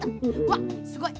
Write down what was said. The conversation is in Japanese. わっすごい！